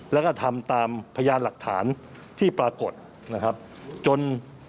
แล้วก็ทำตามพยานหลักฐานที่ปรากฏนะครับจน